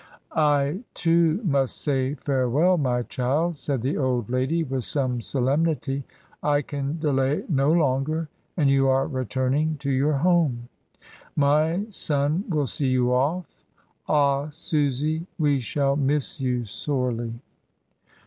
"I, too, must say farewell, my child," said the 248 MRS. DYMOND. old lady with some solemnity; "I can delay no longer, and you are returning to your home. My son will see you off. Ah! Susy, we shall miss you sorely."